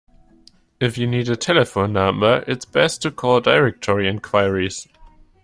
If you need a telephone number, it’s best to call directory enquiries